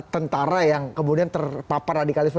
tentara yang kemudian terpapar radikalisme